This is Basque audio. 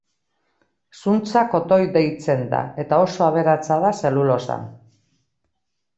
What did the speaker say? Zuntza kotoi deitzen da eta oso aberatsa da zelulosan.